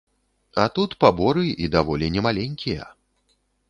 А тут паборы і даволі не маленькія.